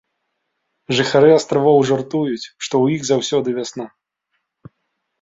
Жыхары астравоў жартуюць, што ў іх заўсёды вясна.